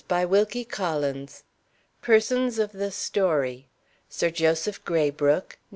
by Wilkie Collins PERSONS OF THE STORY. Sir Joseph Graybrooke.